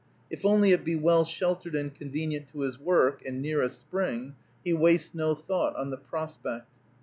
If only it be well sheltered and convenient to his work, and near a spring, he wastes no thought on the prospect.